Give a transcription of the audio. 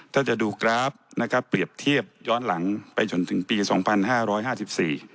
ถ้าจะดูกราฟนะครับเปรียบเทียบย้อนหลังไปจนถึงปีสองพันห้าร้อยห้าสิบสี่